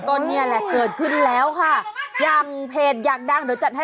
ก็เนี่ยแหละเกิดขึ้นแล้วค่ะอย่างเพจอยากดังเดี๋ยวจัดให้